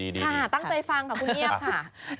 ดีตั้งใจฟังครับคุณเงี๊ยบค่ะ